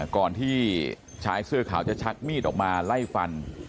ก่อนที่ชายเสื้อขาวจะชักมีดออกมาไล่ฟัน